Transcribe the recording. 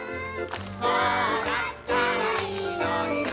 そうだったらいいのにな